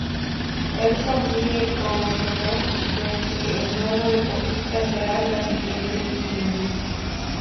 Él sonríe conocedor de que el nuevo deportista será la siguiente víctima..